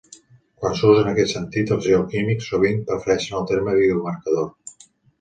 Quan s'usa en aquest sentit, els geoquímics sovint prefereixen el terme biomarcador.